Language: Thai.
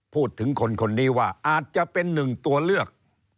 พูดถึงคนคนนี้ว่าอาจจะเป็นหนึ่งตัวเลือก